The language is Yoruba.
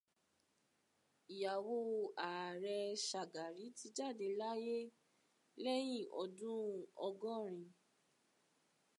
Ìyàwó Ààrẹ Shàgàrí ti jáde láyé lẹ́yìn ọdún ọgọ́rin